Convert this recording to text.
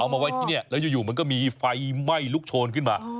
มาไว้ที่นี่แล้วอยู่มันก็มีไฟไหม้ลุกโชนขึ้นมา